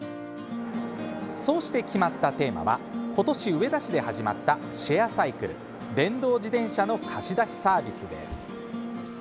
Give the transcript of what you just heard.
そして決まったテーマは今年、上田市で始まったシェアサイクル、電動自転車の貸し出しサービスです。